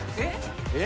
えっ？